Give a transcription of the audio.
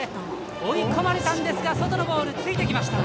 追い込まれたんですが外のボール、ついてきました。